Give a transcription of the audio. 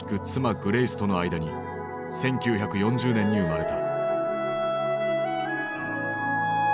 グレイスとの間に１９４０年に生まれた。